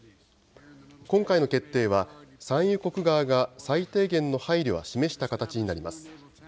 今回の決定は、産油国側が最低限の配慮は示した形になります。